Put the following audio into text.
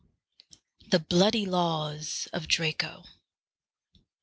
THE BLOODY LAWS OF DRACO.